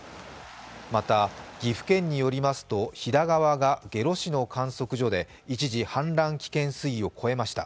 また、岐阜県によりますと飛騨川が下呂市の観測所で一時、氾濫危険水位を超えました。